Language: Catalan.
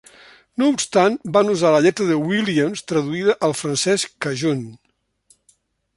No obstant, van usar la lletra de Williams traduïda al francès cajun.